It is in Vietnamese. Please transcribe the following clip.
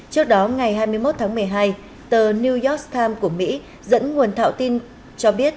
trước đó ngày hai mươi một tháng một mươi hai tờ new york times của mỹ dẫn nguồn thạo tin cho biết